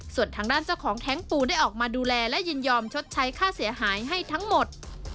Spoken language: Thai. ส่วนทางด้านเจ้าของแท้งปูได้ออกมาดูแลและยินยอมชดใช้ค่าเสียหายให้ทั้งหมด